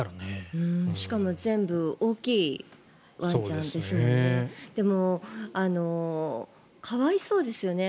しかも全部大きいワンちゃんですよね。